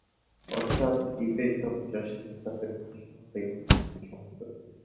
অর্থাৎ ইবেরীয় ভাষার সাথে তাদের ভাষা ও লিখন পদ্ধতির সম্পর্ক ছিল।